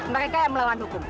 mereka yang melawan hukum